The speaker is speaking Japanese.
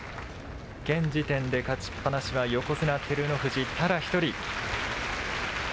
現時点で勝ちっ放しは横綱・照ノ富士ただ一人。